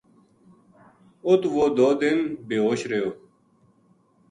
اُت وہ دو دن بے ہوش رہیو